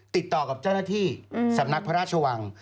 ติดต่อกับเจ้าหน้าที่สำนักพระราชวัง